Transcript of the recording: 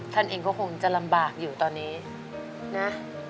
ท่านเองก็คงจะลำบากอยู่ตอนนี้นะ